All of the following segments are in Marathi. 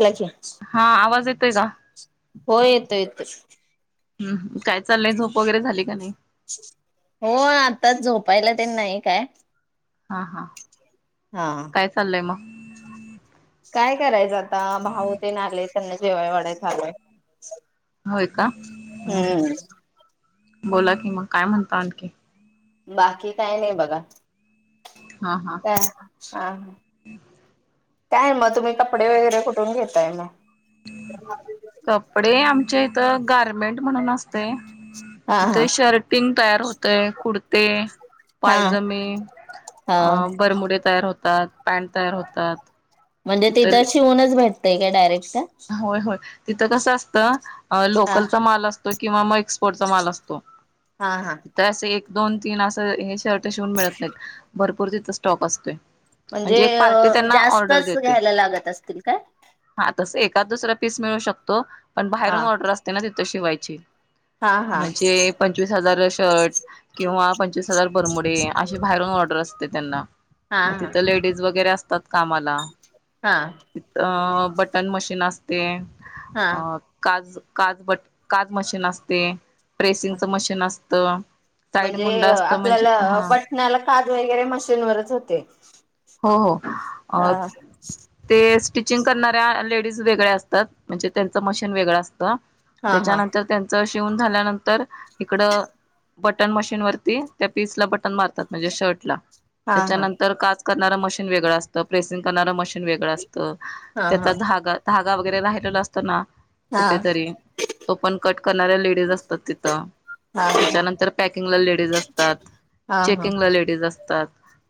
क हा आवाज येतोय का? हो येतो येतो हम् ह हो आताच झोप पाहिलं ते नाही काय हा हा हा काय चाललय मग काय करायचं आत ता भाऊ तेन [unintelligible] त्यांना जेवाय वाढाय चालू आय. होय का? ह ह बोला की मग, काय म्हणता आणखी? बाकी काय नई बघा [unintelligible] हा हा. काय मग, तुम्ही कपडे वगैरे कुठून घेताय म? कपडे आमच्या इथ गारमेंट म्हणून अस तय हा हा तिथे शर्टिंग तयार होतय, कुडते, हा पायजमे, हा अ बरमुडे तयार होत तात, पॅन्ट तयार होतात. म्हणजे तिथं शिवूनच भेट तय काय डायरेक अ होय होय. तिथं कसं असत. अ हा लोकलचा माल अस तो किंवा मग एक्सपोर्ट चा माल असतो. हा हा तीत अस एक दोन तीन असं हे शर्ट त शिवून मिळत नाहीत, भर पूर तिथ स्टॉक असतोय. एक पार्टी म्हणजे त्यांना ऑर्डर जास्तच देते घ्यायला लागत असतील काय? हा तस एकाद दुसरा पीस मिळू शकतो. पण हा बाहेरुन ऑर्डर असते ना, तित शिवाय ची हा हा म्हणजे पंचवीस हजार शर्ट किंवा पंचवीस हजार बरमुडे, अशी बाहेरून ऑर्डर असते त्यांना, हा मग हा तित लेडीज वगैरे असतात कामाला, हा तित बट नसते. हा अ काज काज बट, काज मशीन असते, प्रेसिंगचं मशीन असत. म्हणजे अ आपल्याला अ बटणाला काज वगैरे मशीनवरच होते. हो हो अ हा ते ते स्टिचिंग करणाऱ्या लेडीज वेगळ्या असतात म्हणजे त्यांचं मशीन वेगळं अस त हा हा त्याच्यानंतर त्यांच शिवन झाल्यानंतर इकड बटन मशीन वरती त्या पीस ला बटन मारतात म्हणजे शर्ट ला हा हा त्याच्यानंतर काच. करणारं मशीनेगळं असतं प्रेसिंग करणारं मशीन वेगं असतं. हा हा त्याचा धागा वगैरे ला हट असतना हा कुठेतरी तो पण कट. करणाऱ्या लेडीज असात. तिथ हा त्याच्यानंतर पॅकिंगला लेडीज असतात हा हा चेकिंगला लेडीज असतात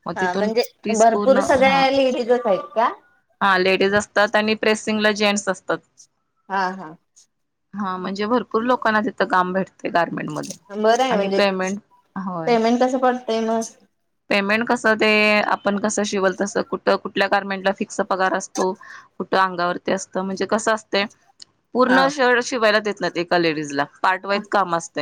मग हा तिथून म्हणजे भरपूर सगळ्या लेडीजच आहेत का? लेडीज असतात आणि जें असतात. हा हा. हा म्हणजे भरपूर लोकना तथंम भेटतेय गार. बरं आहे म्हणजे होय पेमेंट कसं पडतंय मस्. [unintelligible] कसं शिवल तसं कुठं क कुठल्या गार्मेंटला फिक्स पगार असतो कुठं अंगावरती असतं म्हणजे कसं असते. हा पूर्ण शर्ट शिवायला देत. एका लेडीज ला पार्ट वा हा काम असत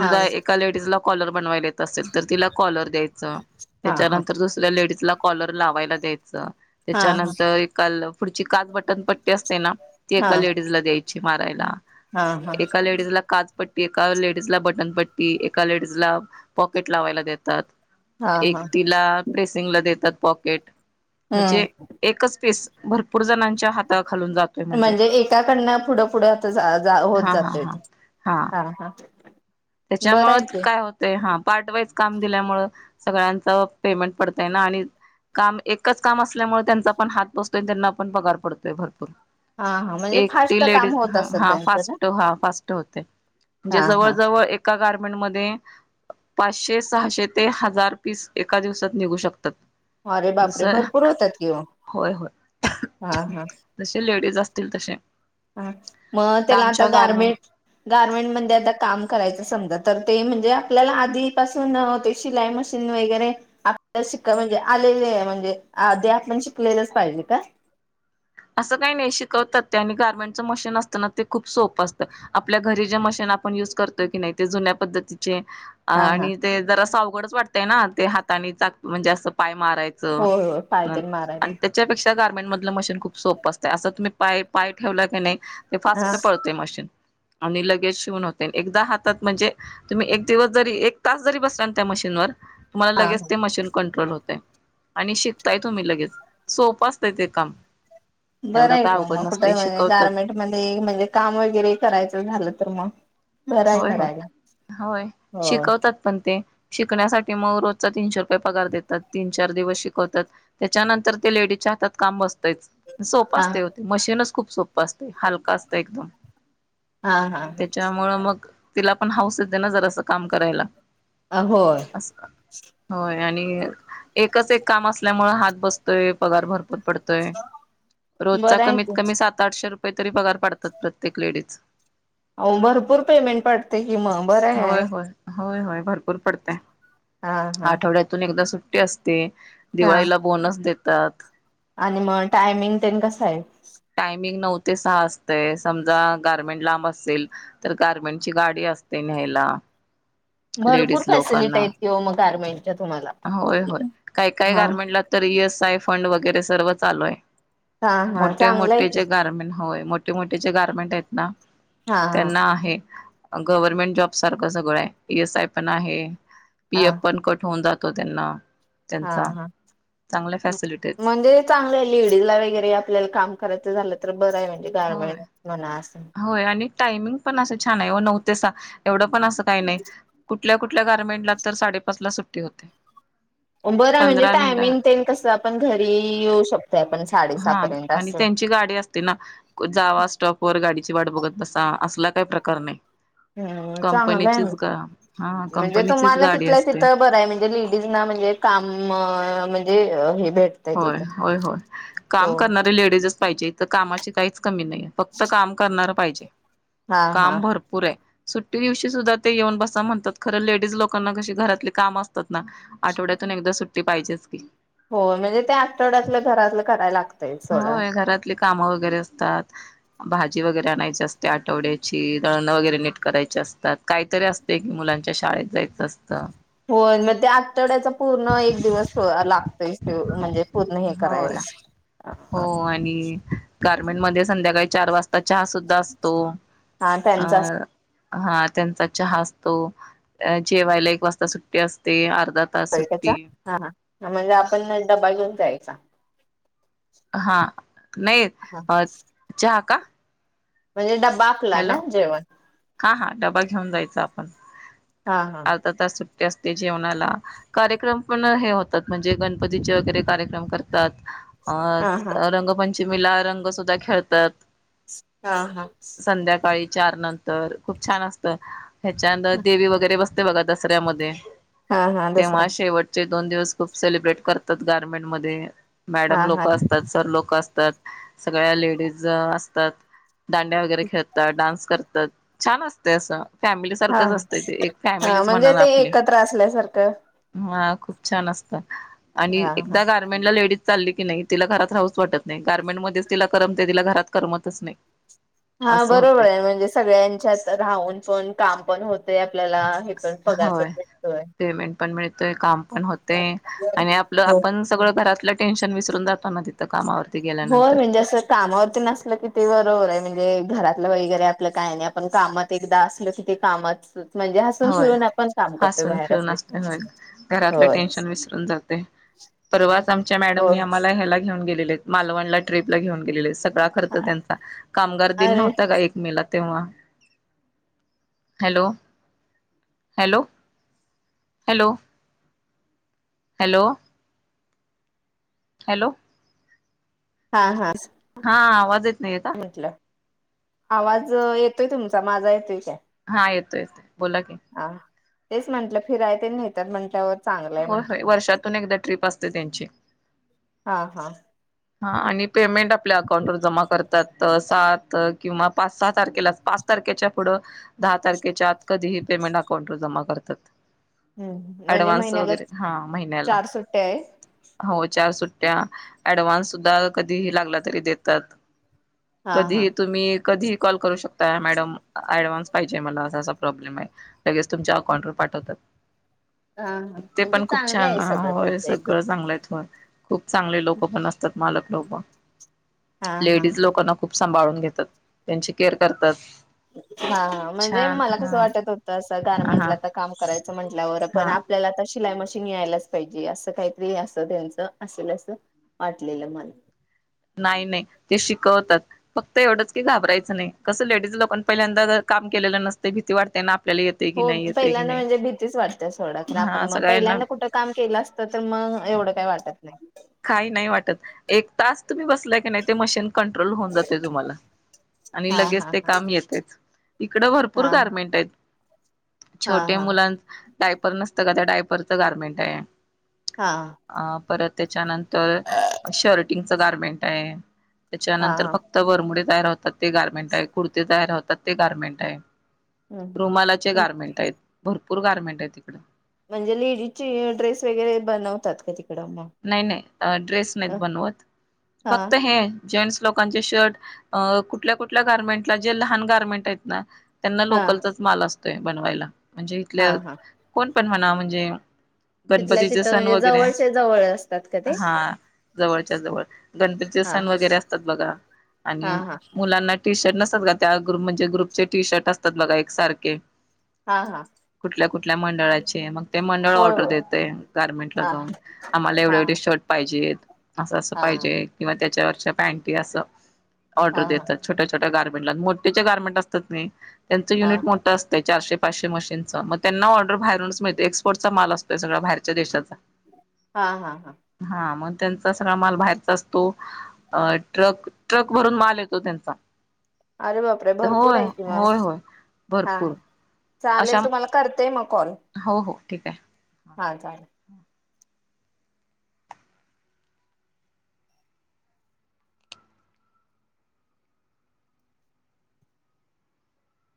हा एका लेज ला. कॉलर बनवायला येत असेल तर तिला कॉलर द्यायचं. हा हा त्याच्यानंतर दुसऱ्या लेडी. ला कॉलर लावायला द्यायचं. हा त्याच्यानंतर काल पुढची काच बटन पट्ट अस ना ती हा एका लेडीज ला द्यायची. मारायला. हा एका लेडीज ला का? पट्टी एका लेडीज ला बटनपट्टी एका लेडीजला पॉकेट लावायला देतात. हा एक हा तिला प्रेस. देतात पॉकेट. हम्म म्हणजे एकच पीस भरपूर जणांच्या हातात. म्हणजे एकाकडन पुढं पुढे आता होत हा हा जातय हा ह. त्याच्यामुंच काय होतय हा पार्ट वाईज काम दिल्यामुं सगळ्यांच पेमेंट पडतय ना आणि काम एकच काम असल्यामुळे त्यांचा पण हात बसतोय त्यांना पण पगार पडतोय भरपूर हा हा म्हणजे एकटी फास्ट काम लेडीज होत असेल हा त्यांचं ना फाट हा फास्ट होते हा म्हणे जवळ हा जवळ अपारमेंट मध्ये पाचशे सहाशे ते हजार पीस एका दिवसात निघू शकतात अरे जस बापरे भरपूर होतात किव होय होय हा हा तील तसे. हा मग त्याला आता आमच्या गारमें गार्मेंट गारमेंट मध्ये आता काम करायचं. समजा तर ते म्हणजे आपल्याला आधीपासून ते शिलाई मशीन वगैरे आपल्या शिक म्हणजे आलेले म्हणजे आधी आपण शिकलेलंच पाहिजे का. असं काही नाही शिकवतात ते आणि गार्मेंटचं मशीन असताना ते खूप सोपं असतं आपल्या घरी जे मशीन आपण युज करतोय की नाही ते जुन्या पद्धती. हा हा आणिते जरासे बरच वाटतय ना ते हाता नी चा म्हणजे अस पाय मारायच, होय होय पायतेन मारायला आणि त्याच्या पेक्षा त्या गारमेंट मधलं मशीन खूप सोप असतय, असं तुम्ही पाय पाय ठेवला की नाही ते हा फास्ट पळतय मशीन. आणि लगेच शिवून होते. एकदा हातात म्हणजे तुम्ही एक दिवस जरी एक तास जरी बसला त्या मशीनवर तुम्हाला हा लगेच ते मशीन कंट्रोल होतय, आणि शिकताय तुम्ही लगेच, सोपं असता ते काम. एवढं बरंय काय की वो अवघड मग, कुठ नसतंय शिकवतात गार्मेंट मध्ये म्हणजे काम वगैरे करायचं झालं तर मग बरं आहे होय होय करायला होय हो शिकवतात पण ते. शिकण्यासाठी मग रोजचा तीनशे रुपये पगार देतात, तीन चार दिवस शिकवतात, त्याच्यानंतर ते लेडीजच्या हातात काम बसतच. सोप हा असतय वो ते मशीनच खूप सोपं असतय हालक असतय एकदम. हा, हा, हा. त्याच्यामुळं मग तिला पण हाऊस येथे ना जरासं काम करायला. आ होय. असं होय आणि एकच एक काम असल्यामुळे हात बसतोय, पगार भरपुर पडतोय, रोजचा बरं आहे कमीत की कमी सात आठशे रुपय तरी पगार पाडतात प्रत्येक लेडीज. अहो भरपूर पेमेंट पडते कि मग, बरं होय आहे. होय होय, होय भरपूर पडतय. हा हा आठवड्यातून एकदा सुट असते. हा दिवाळीला बोनस देत त्यात. आणि मग टायमिंग तेन कस आहे? टायमिंग नऊ ते सहा असतय समजा गारमेंट लांब असेल तर गारमेंटची गाडी असते न्ह्यायला. भरपूर लेडीज फॅसिलिटी लोकांना. आहेत कि ओ मग गारमेंटच्या तुम्हाला. होय, होय काय काय हा गारमेंटला तरी येसैफ. फंड वगैरे सर्व चालू आहे. हां, हां. मोठे- मोठेजे गारमेट हो होय मोठे मोठेजे गारमेंट आहेत ना? हा हा त्यांना आहे. गव्हर्नमेंट जॉब सारखं सगळं आहे ई एस आय पण आहे. पि हा यफ पण कट होऊन जा तो त्यांना. हा त्यांचा हा चांगल्या फॅसिलिटीज म्हणजे चांगलं लेडी ला वगैरे आपल्याला काम करायचं झालं तर बरं आहे म्हणजे गारमेन्ट होय म्हना होय आणि? टायमिंग पण असं छान आहे नऊ ते सा एवढं पण असं काही नाही कुट कुटल्या कुटल्या गारमेंटला तर साडेपाच ला सुट्टी होते. बरं म्हणजे पंधरा मिनिटं टायमिंग तेन कस आपण घरी येऊ शकतोय आपण साडे सहा हा पर्यंत आस. आणि त्यांची गाडी ची वाट बघत बसा असला काही प्रकार नाही. हम चांगलं आहे कंपनीचीच ग हा म्हणजे कंपनीचीच तुम्हाला गाडी तिथलं असते तिथं बरं आहे म्हणजे लेडीज ना म्हणजे काम म्हण ते अ हे. भेट तय होय तिथं होय होय काम हो करणारी लेडीजच पाहिजे. तर कामाची काहीच कमी नाही फक्त काम करणारं पाहिजे. हा हा काम भरपूर आहे. सुट्टी दिवशी सुद्धा ते येऊन बसा म्हणतात खरं लेडीज लोकांना कशी घरातली काम असतात ना आठवड्यातून एकदा सुट्टी पाहिजेच की. हो म्हणजे त्या आठवड्यातलं घरातलं करायला लाग होय घरातले काम वगैरे असतात भाज जी वगैरे आणायची असते आठवड्याची दळणं वगैरे नीट करायची असतात काहीतरी असतय की मुलांच्या शाळेत जायचं असतं. होय म ते आठवड्याचा पूर्ण एक दिवस हॊ लाग म्हणजे पूर्ण हे होय करायला हो आणि गार्मेंट मध्ये संध्याकाळी चार वाजता चहा सुद्धा असतो, हा अ त्यांचा हा त्यांचा चहा असतो, जेवायला एक वाजता सुट्टी असते, तास च्या सुट्टी हा म्हणजे डबा घेऊन जायचा हा नाही अ चहा का? म्हणजे ड बापला हॅलो ना जेवण हा हा डबा घेऊन जायचा आपण. हा हा आता तस सु असते जेवणाला कार्यक्रम पण हे होतात म्हणजे गणपतीचे वगैरे कार्यक्रम करतात. हा हा अ रंगपंच शिमिला रंग सुद्धा खेळतात. हा हा संध्याकाळी चार नंतर खूप छान असत ह्याच्यानर देवी वगैरे बसते बघा दसऱ्यामध्ये हा हा दुसरा तेव्हा शेवटचे दोन दिवस खूप सेलिब्रेट करतात गार्मेंट मध्ये मॅडम हा हा लोक असतात, सर लोक असतात, सगळ्या लेडीज असतात, दांड्या खेळता डान्स करत तर छान असते असं फॅमिली हा सारखंच असत ते एक हा फॅमिलीच म्हण म्हणजे ते आपली एकत्र असल्यासारखं ह खूप छान असतात. आणि हा हा. एकदा गारमेंट ला लेडीज चालली की नाही तिला घरात राहूच वाटत नाही गार्मेंट मध्येच तिला करमते तिला घरात करमतच नाही. हा असं होते बरोबर आहे म्हणजे सगळ्यांच्यात राहून पण काम पण होत. आपल्याला हे पण पगार पण भेटतोय. त काम ण होते आणि आपलं हो. आपण सगळं घरातलं टेन्शन विसरून जातो ना तिथं कामावर. होय म्हणजे असं कामावरती नसलं कि, ते बरोबरय म्हणजे घरातलं वगैरे आपलं काय नाही. आपण कामात एकदा असल कि ते कामात म्हणजे हसून होय, खेळून आपण काम करतोय हसून बाहेर खेळून असले की. असते होय. घरातलं होय टेन्शन विसरून जातय. परवाच आमच्या मॅडमनी होय आम्हाला ह्याला घेऊन गेलेले. मालवणला ट्रीपला घेऊन गेलेले सग ळा खर्च त्यांचा. कामगार दिन अरे नव्हता का? एक मे ला. तेंव्हा. Hello hello, hello hello hello हा हा हा आवाज येत नाहीये का? म्हटलं आवाज येतोय तुमचा, माझा येतोय काय? हा येतोय, येतोय. बोला की हा. तेच म्हटलं फिराय तेन न्हेत्यात त्यात म्हटल्यावर होय- होय, वर्षातून एकदा ट्रिप असते त्यांची हा हा हा आणि पेमेंट आपल्या अकाउंटवर जमा कर तात. सात किंवा पाच- सहा तारखेला, पाच तारखेच्या पुढं दहा तारखेच्या आत कधीही पेमेंट अकाउंटवर जमा कर तात. हम्म, म्हणजे महिन्याला महिन्याला चार सुट्टयाय. हो, चार सुट्टया अँडवान्स सुद्धा कधीही लागला तरी देतात. हा हा कधीही तुम्ही, कधीही कॉल करू शक तात. मॅडम ऍडव्हान्स पाहिजे मला. असा असा प्रॉब्लेमय, लगेच तुमच्या अकाउंट वर पाठवतात. हा हा ते म्हणजे पण खूप चांगलं छान आहे ह सगळं होय तुमचं एकदम सगळं चांगलंयत होय. खूप चांगले लोक पण अस मालक लोकं. हा हा लेडीज लोकांना खूप सांभाळून घेतात, त्यांची केअर करतात. हा हा, म्हणजे छान मला कसं हा वाटत होतं, असं हा गारमेंटला हा आता काम कराय म्हटल्यावर पण हा आपल्याला [unintelligible] शिलाय मशीन यायलाच पाहिजे, असं काहीतरी असं त्यांचं असेल, असं वाटलेलं मला नाही नाही ते शिकवतात फक्त एवढंच की घाबरायचं नाही. कसं लेडीज लोकाना पण पहिल्यांदा काम केलेलं नसते भीती वाढते ना आपल्याला येते की हो नाही येते की पहिल्यांदा नाही म्हणजे भीतीच वाटते सोडा खरं हा आपण मग सगळ्यांना पहिल्यांदा कुठं काम केलं असतं तर मग एवढं काही हा वाटत नाही. काही नाही वाटत एक तास तुम्ही बसलाय की नाही ते मशीन कंट्रोल होऊन जातय. तुम्हाला आणि हा लगेच हा ते हा काम येतय. इकड भरपूर हा गारमेंट आहेत. हा छोटे हा मुलां डायपर नस तर त्या टायपरचं गार्मेंट आहे. हा. अ परत त्याच्यानंत तर शरेटिंग गारमेंट आहे. हा त्याच्यानंतर हा फक्त भर मु जार होतात ते गार्मेंट आहे कुर्ते जार होतात ते गार्मेंट आहे. हम्म रुमालाचे गार्मेंट आहेत भरपूर... पुरगमेंट आहे तिकडे म्हणजे लेडीजची ड्रेस वगैरे बनवतात क नाही नाही ड्रेस नाहीत बनवत हा फक्त हे जेंट्स लोकांचे शर्ट अ कुठल्या कुठल्या गारमेंटला जे लहान गार्मेंट आहेत ना.. त्यांना हा लोकलचाच माल असत बनवायला म्हणजे हा इथल्या हा कोण पण म्हणा म्हणजे तिथल्या गणपतीचे तिथं सण म्हणजे वगैरे जवळचे जवळ असतात का ते हा जवळच्या जवळ गणपतीचे हा सण वगैरे असतात बघा आणि हा हा मुलांना टी शर्ट नसतात का त्या ग्रुप म्हणजे ग्रुपचे टी शर्ट असतात बघा एक सारखे हा हा कुठल्या कुठल्या मंडळाचे मग ते मंडळ होय ऑर्डर होय देते गारमेंटला हा जाऊन. आला हा एवढव शर्टहि पाहिजेत असं असं हा हा पाहिजे किंवा त्याच्यावर पॅनटी असं ऑर्डर हा देतात छोट्या छोट्या गारमेंट ला मोठे गार्मेंट असतात त्यांचं हा युनिट मोठं असतं चारशे पाचशे मशीनचं मग त्यांना ऑर्डर बाहेरूनच मिळते एक्सपोर्टचा माल असतोय सगळा बाहेरच्या देशाचा. हा हा हा हा मग त्यांचा सगळा माल बाहेरचा असतो अ ट्रक ट्रक भरून माल येतो त्यांचा अरे बापरे भरपूर होय आहे कि म होय होय हा भरपूर अशा चालेल तुम्हाला करते मग कॉल हो हो ठीक आहे. हा चालेल